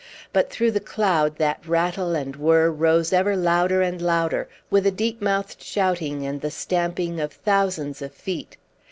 But through the cloud that rattle and whirr rose ever louder and louder, with a deep mouthed shouting and the stamping of thousands of feet.